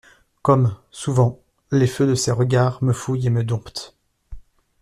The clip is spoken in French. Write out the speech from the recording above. Comme, souvent, les feux de ses regards me fouillent et me domptent!